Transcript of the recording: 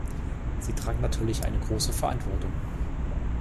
Sie tragen natürlich eine große Verantwortung.